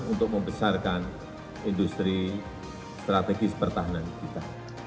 untuk membesarkan industri strategis pertahanan kita